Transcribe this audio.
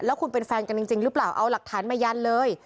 แล้วคุณเป็นแฟนกันจริงหรือเปล่าเอาหลักฐานมายันเลย